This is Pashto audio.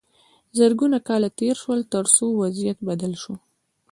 زرګونه کاله تیر شول تر څو وضعیت بدل شو.